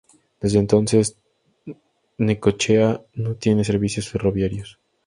Desde entonces, Necochea no tiene servicios ferroviarios.